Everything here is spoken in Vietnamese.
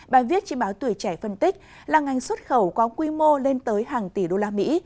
bài viết trên báo tuổi trẻ phân tích là ngành xuất khẩu có quy mô lên tới hàng tỷ đô la mỹ